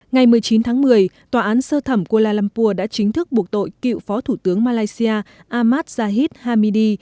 ngày một mươi chín tháng một mươi tòa án sơ thẩm kuala lumpur đã chính thức buộc tội cựu phó thủ tướng malaysia ahmad zahid hamidi